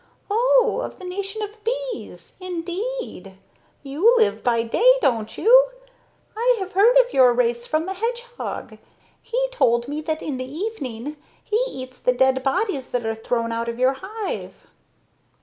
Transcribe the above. "Oh, of the nation of bees. Indeed ... you live by day, don't you? I have heard of your race from the hedgehog. He told me that in the evening he eats the dead bodies that are thrown out of your hive."